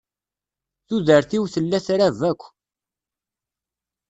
Tudert-iw tella trab akk.